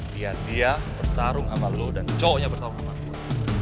lihat dia bertarung sama lo dan cowoknya bertarung sama gue